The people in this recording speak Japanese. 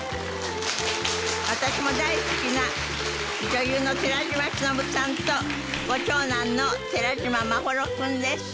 私も大好きな女優の寺島しのぶさんとご長男の寺嶋眞秀君です。